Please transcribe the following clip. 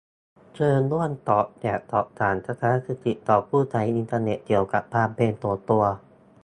เชิญร่วมตอบแบบสอบถาม "ทัศนคติของผู้ใช้งานอินเทอร์เน็ตเกี่ยวกับความเป็นส่วนตัว"